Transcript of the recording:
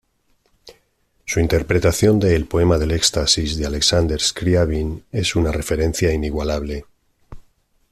Su interpretación de "El poema del Éxtasis" de Aleksandr Skriabin es una referencia inigualable.